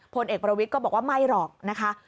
พลเอกประวิทย์ก็บอกว่าไม่หรอกนะคะ